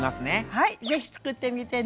はい是非つくってみてね。